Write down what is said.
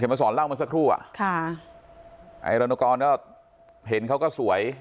มาสอนเล่ามาสักครู่อ่ะค่ะไอ้รณกรก็เห็นเขาก็สวย